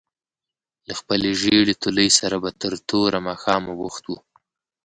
له خپلې ژېړې تولۍ سره به تر توره ماښامه بوخت وو.